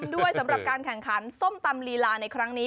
ด้วยสำหรับการแข่งขันส้มตำลีลาในครั้งนี้